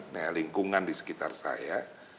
nah lingkungan di sekitar saya